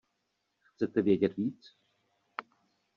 Chcete vědět víc?